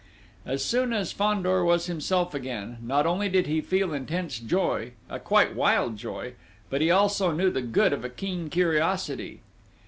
As soon as Fandor was himself again, not only did he feel intense joy, a quite wild joy, but he also knew the good of a keen curiosity.